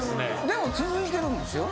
でも続いてるんですよ。